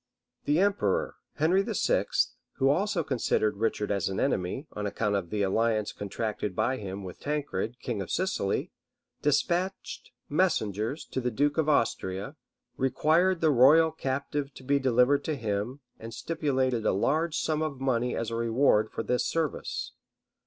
{1193.} The emperor, Henry VI., who also considered Richard as an enemy, on account of the alliance contracted by him with Tancred, king of Sicily, despatched messengers to the duke of Austria, required the royal captive to be delivered to him, and stipulated a large sum of money as a reward for this service.